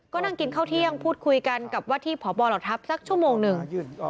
ก็นั่งกินข้าวเที่ยงพูดคุยกันกับว่าที่พบเหล่าทัพสักชั่วโมงหนึ่ง